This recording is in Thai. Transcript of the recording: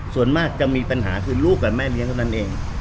ส่วนมากจะมีปัญหาคือลูกกับแม่เลี้ยงเท่านั้นเอง